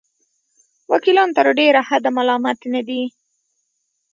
وکیلان تر ډېره حده ملامت نه دي.